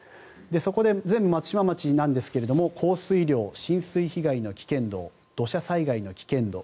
そこで、全部松島町なんですが降水量、浸水被害の危険度土砂災害の危険度